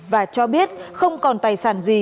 và cho biết không còn tài sản gì